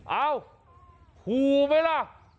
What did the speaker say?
เอ้าหัวพูมั้ยล่ะ